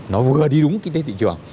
nó vừa đi đúng kinh tế thị trường